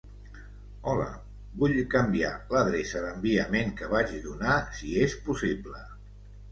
Hola, vull canviar l'adreça d'enviament que vaig donar si és possible.